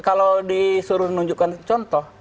kalau disuruh nunjukkan contoh